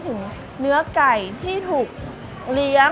สวัสดีครับ